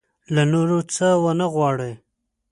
له نورو څه ونه وغواړي.